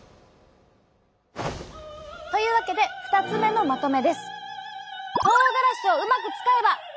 というわけで２つ目のまとめです！